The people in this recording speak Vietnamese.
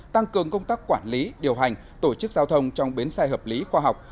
tăng cường công tác quản lý điều hành tổ chức giao thông trong bến xe hợp lý khoa học